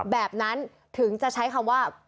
แบบนั้นถึงจะใช้คำว่า